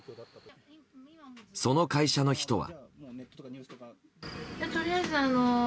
その会社の人は。